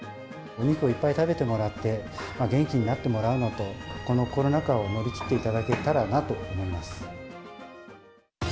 お肉をいっぱい食べてもらって、元気になってもらうのと、このコロナ禍を乗り切っていただけたらなと思います。